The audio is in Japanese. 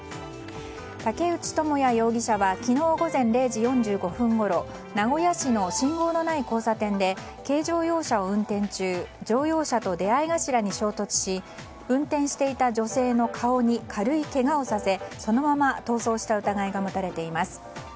竹内智也容疑者は昨日午前０時４５分ごろ名古屋市の信号のない交差点で軽乗用車を運転中乗用車と出合い頭に衝突し運転していた女性の顔に軽いけがをさせそのまま逃走した疑いが持たれています。